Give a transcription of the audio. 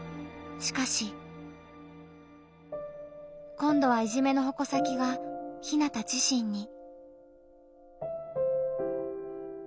しかし。今度はいじめのほこ先がひなた自身に。